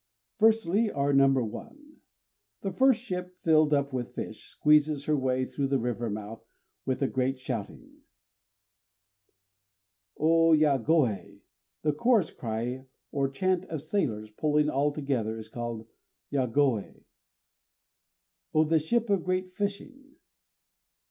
_ Firstly (or "Number One"), The first ship, filled up with fish, squeezes her way through the river mouth, with a great shouting. Ô yagoë. The chorus cry or chant of sailors, pulling all together, is called yagoë. _O this ship of great fishing!